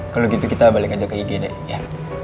kalo gitu kita balik aja ke ig deh ya